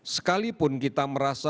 sekalipun kita merasa